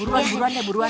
buruan buruan ya buruan